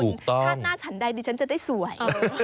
ชาติหน้าฉันใดดิฉันจะได้สวย